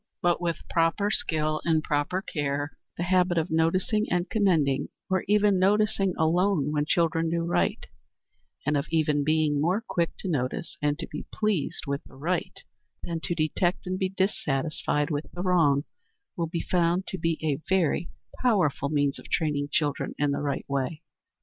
But with proper skill and proper care the habit of noticing and commending, or even noticing alone, when children do right, and of even being more quick to notice and to be pleased with the right than to detect and be dissatisfied with the wrong, will be found to be a very powerful means of training children in the right way.